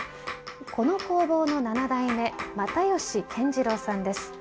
この工房の七代目又吉健次郎さんです。